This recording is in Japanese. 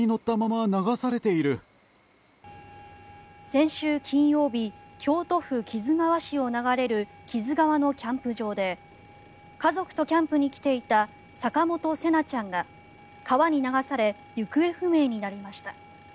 先週金曜日京都府木津川市を流れる木津川のキャンプ場で家族とキャンプに来ていた坂本聖凪ちゃんが川に流され行方不明になりました。